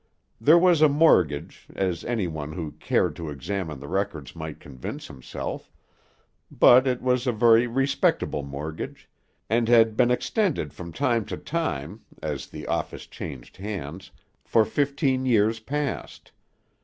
There was a mortgage, as any one who cared to examine the records might convince himself, but it was a very respectable mortgage, and had been extended from time to time, as the office changed hands, for fifteen years past.